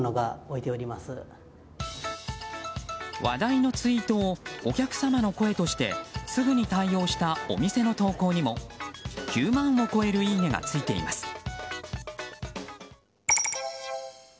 話題のツイートをお客様の声としてすぐに対応したお店の投稿にも９万を超えるいいねがついています。